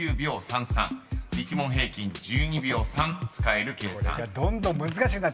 ［１問平均１２秒３使える計算］